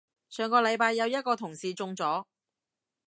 上個禮拜有一個同事中咗